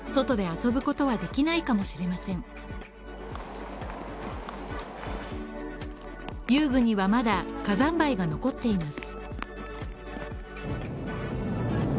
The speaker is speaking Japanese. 遊具にはまだ火山灰が残っています。